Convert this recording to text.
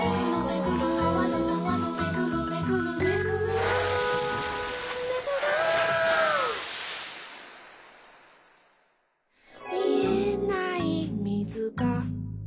「めぐる」「みえないみずが」